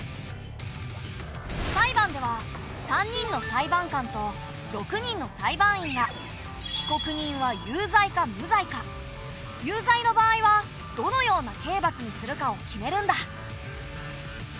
裁判では３人の裁判官と６人の裁判員が被告人は有罪か無罪か有罪の場合はどのような刑罰にするかを決めるんだ。